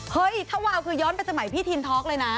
เฮ้ยถ้าวาวคือย้อนไปสมัยพี่ทีนท็อกเลยนะ